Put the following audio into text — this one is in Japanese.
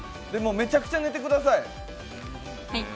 めちゃくちゃ寝てください。